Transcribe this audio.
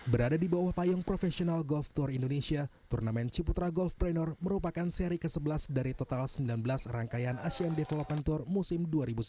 berada di bawah payung profesional golf tour indonesia turnamen ciputra golf preneur merupakan seri ke sebelas dari total sembilan belas rangkaian asean development tour musim dua ribu sembilan belas